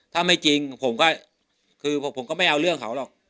ถ้าไม่จริงผมก็คือผมก็ไม่เอาเรื่องเขาหรอก